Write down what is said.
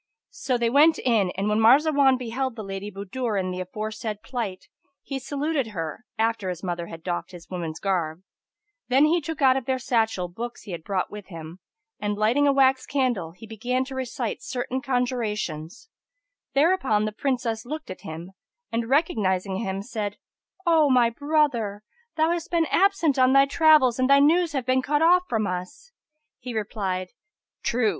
So they went in and when Marzawan beheld the Lady Budur in the aforesaid plight, he saluted her, after his mother had doffed his woman's garb: then he took out of their satchel books he had brought with him; and, lighting a wax candle, he began to recite certain conjurations Thereupon the Princess looked at him and recognising him, said, "O my brother, thou hast been absent on thy travels' and thy news have been cut off from us." He replied, "True!